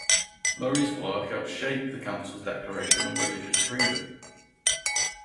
Murray's work helped shape the council's declaration on religious freedom.